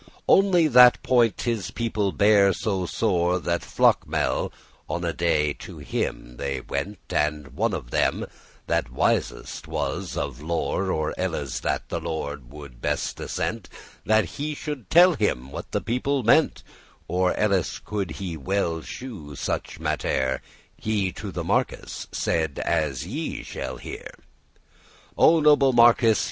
Only that point his people bare so sore, That flockmel* on a day to him they went, *in a body And one of them, that wisest was of lore (Or elles that the lord would best assent That he should tell him what the people meant, Or elles could he well shew such mattere), He to the marquis said as ye shall hear. "O noble Marquis!